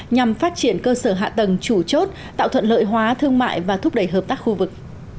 nhằm phát triển cơ sở hạ tầng chủ chốt tạo thuận lợi hóa thương mại và thúc đẩy hợp tác khu vực